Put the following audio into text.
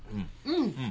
うん。